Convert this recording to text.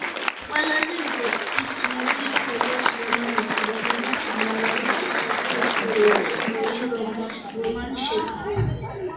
ყველაზე უკეთ ის ცნობილია როგორც რომანისტი, რომელმაც მრავალი საზღვაო ისტორია და ისტორიული რომანი შექმნა.